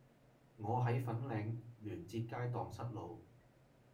我喺粉嶺聯捷街盪失路